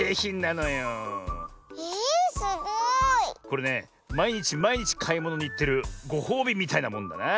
これねまいにちまいにちかいものにいってるごほうびみたいなもんだな。